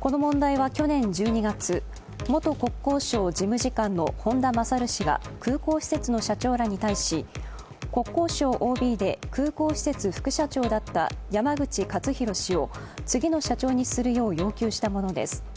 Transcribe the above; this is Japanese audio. この問題は去年１２月、元国交省事務次官の本田勝氏が、空港施設の社長らに対し、国交省ＯＢで空港施設副社長だった山口勝弘氏を次の社長にするよう要求したものです。